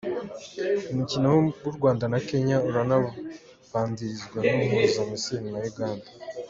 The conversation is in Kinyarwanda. Umukino w’u Rwanda na Kenya, urabanzirizwa n’uhuza Misiri na Uganda.